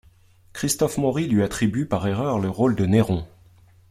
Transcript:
Christophe Mory lui attribue par erreur le rôle de Néron.